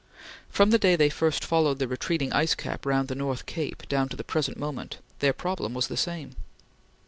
From the day they first followed the retreating ice cap round the North Cape, down to the present moment, their problem was the same.